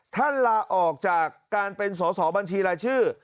ลาออกจากการเป็นสอสอบัญชีรายชื่อ